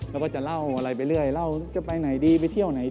แล้วก็จะเล่าอะไรไปเรื่อยเล่าจะไปไหนดีไปเที่ยวไหน